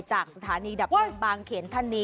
จากสถานีดับเพลิงบางเขนท่านนี้